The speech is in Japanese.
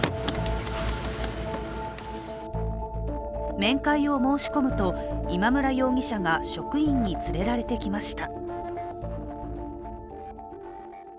面会を申し込むと、今村容疑者が職員に連れられてきました。